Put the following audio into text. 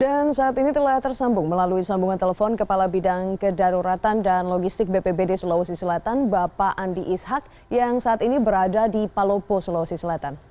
dan saat ini telah tersambung melalui sambungan telepon kepala bidang kedaruratan dan logistik bpbd sulawesi selatan bapak andi ishak yang saat ini berada di palopo sulawesi selatan